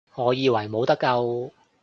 我以為冇得救